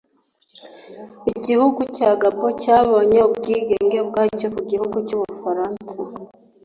Igihugu cya Gabon cyabonye ubwigenge bwacyo ku gihugu cy’ubufaransa